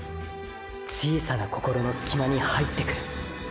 小さな心のスキマに入ってくる。